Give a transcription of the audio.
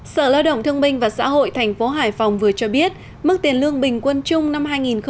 sở lao động thương minh và xã hội tp hải phòng vừa cho biết mức tiền lương bình quân chung năm hai nghìn một mươi tám